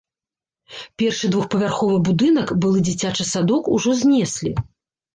Першы двухпавярховы будынак, былы дзіцячы садок, ужо знеслі.